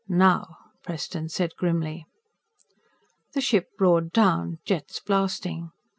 "Now!" Preston said grimly. The ship roared down, jets blasting.